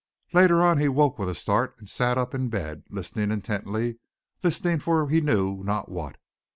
Later on he woke with a start and sat up in bed, listening intently, listening for he knew not what.